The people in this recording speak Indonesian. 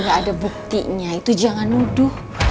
gini apa bikinnya durando